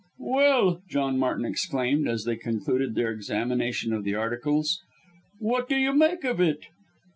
"Well!" John Martin exclaimed, as they concluded their examination of the articles, "what do you make of it?"